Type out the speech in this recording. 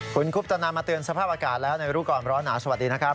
คุณคุปตนามาเตือนสภาพอากาศแล้วในรู้ก่อนร้อนหนาวสวัสดีนะครับ